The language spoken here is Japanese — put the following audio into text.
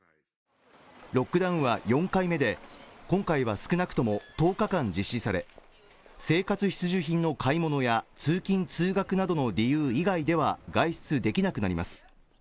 ロックダウン４回目で今回は少なくとも１０日から実施され生活必需品の買い物や通勤通学などの理由以外では外出できなくなります